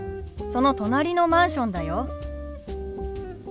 その隣のマンションだよ。